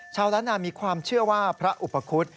ชาวล้านนามีความเชื่อว่าพระอุปคุฎ